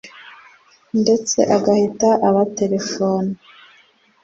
ndetse agahita abatelefona